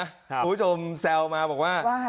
คุณผู้ชมแซวมาบอกว่า